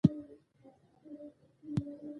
هر سهار له خوبه وختي پاڅېدل د صحت لپاره ګټور دي.